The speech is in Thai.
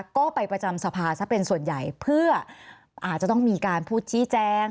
ก็ไปประจำสภาซะเป็นส่วนใหญ่เพื่ออาจจะต้องมีการพูดชี้แจง